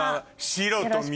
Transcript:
白と緑。